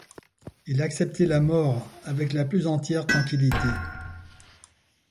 Il acceptait la mort avec la plus entière tranquillité.